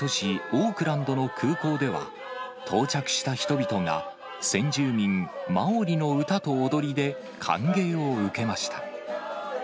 オークランドの空港では、到着した人々が先住民マオリの歌と踊りで歓迎を受けました。